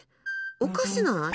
おかしない？